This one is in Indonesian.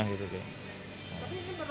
tapi ini berlaku untuk di luar kota saja